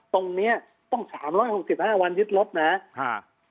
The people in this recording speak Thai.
ตรงนี้ต้อง๓๖๕วันยึดรถนะ